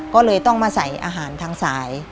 ก็เลยต้องมาใส่อาหารทางสาย